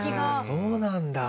そうなんだ。